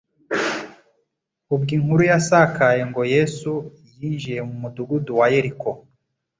ubwo inkuru yasakaye ngo Yesu yinjiye mu mudugudu wa Yeriko.